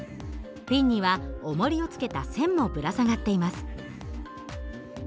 ピンにはおもりを付けた線もぶら下がっています。